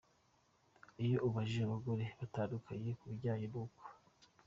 Iyo ubajije abagore batandukanye ku bijyanye n’uko.